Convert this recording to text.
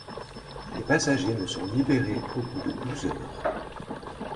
Les passagers ne sont libérés qu'au bout de douze heures.